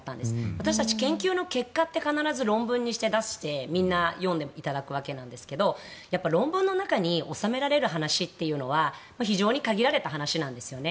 私たち、研究の結果って必ず論文にして出してみんな読んでいただくわけなんですがやはり論文の中に収められる話というのは非常に限られた話なんですよね。